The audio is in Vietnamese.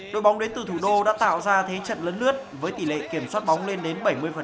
đội bóng đến từ thủ đô đã tạo ra thế trận lấn lướt với tỷ lệ kiểm soát bóng lên đến bảy mươi